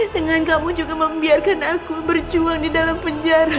dengan kamu juga membiarkan aku berjuang di dalam penjara